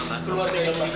aku keluar dari rumah ya